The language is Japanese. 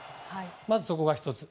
まずそこが１つ。